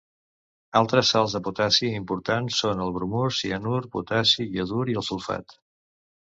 Altres sals de potassi importants són el bromur, cianur, potassi, iodur, i el sulfat.